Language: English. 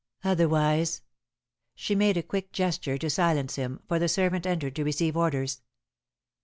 Otherwise " She made a quick gesture to silence him, for the servant entered to receive orders.